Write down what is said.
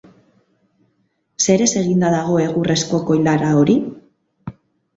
Zerez eginda dago egurrezko koilara hori?